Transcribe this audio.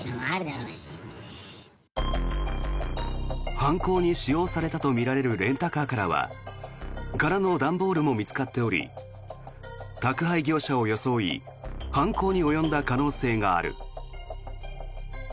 犯行に使用されたとみられるレンタカーからは空の段ボールも見つかっており宅配業者を装い犯行に及んだ可能性がある。